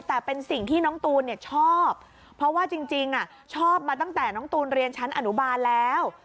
แต่เป็นสิ่งที่น้องตูนชอบเพราะว่าจริงชอบมาตั้งแต่น้องตูนเรียนชั้นอนุบาลแล้ว